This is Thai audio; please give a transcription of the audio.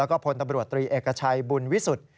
แล้วก็พลตำรวจตรีเอกชัยบุญวิสุทธิ์